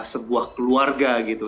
sebuah keluarga gitu